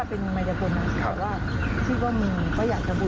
ได้อย่างงี้ถ้ามีสาเหตุถ้ามีตังที่มีส่วนมีระแจ